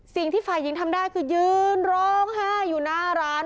สิ่งที่ฝ่ายหญิงทำได้คือยืนร้องไห้อยู่หน้าร้าน